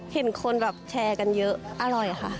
เห็นคนแบบแชร์กันเยอะอร่อยค่ะ